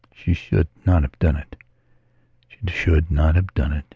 . She should not have done it. She should not have done it.